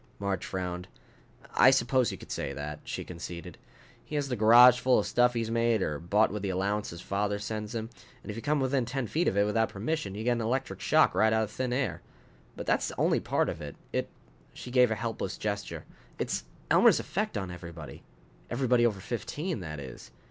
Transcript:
Marge frowned. "I suppose you could say that," she conceded. "He has the garage full of stuff he's made or bought with the allowance his father sends him. And if you come within ten feet of it without permission, you get an electric shock right out of thin air. But that's only part of it. It " she gave a helpless gesture "it's Elmer's effect on everybody. Everybody over fifteen, that is.